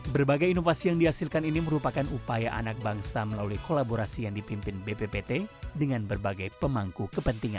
berbagai inovasi yang dihasilkan ini merupakan upaya anak bangsa melalui kolaborasi yang dipimpin bppt dengan berbagai pemangku kepentingan